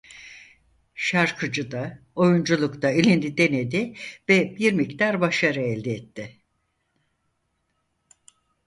Şarkıcı da oyunculukta elini denedi ve bir miktar başarı elde etti.